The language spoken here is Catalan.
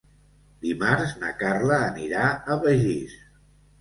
Dimarts na Carla anirà a Begís.